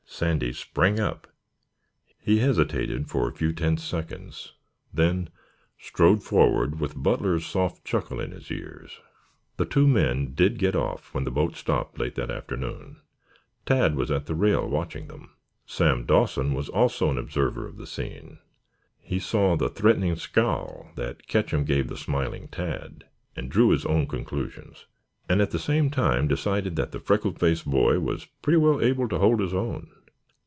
Sandy sprang up. He hesitated for a few tense seconds, then strode forward with Butler's soft chuckle in his ears. The two men did get off when the boat stopped late that afternoon. Tad was at the rail watching them. Sam Dawson was also an observer of the scene. He saw the threatening scowl that Ketcham gave the smiling Tad, and drew his own conclusions, and at the same time decided that the freckle faced boy was pretty well able to hold his own.